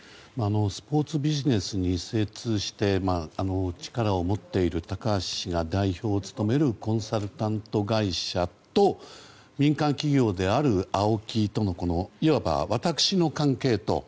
スポーツビジネスに精通して力を持っている高橋氏が代表を務めるコンサルタント会社と民間企業であるＡＯＫＩとのいわば私の関係と。